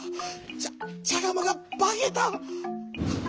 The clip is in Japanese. ちゃちゃがまがばけた！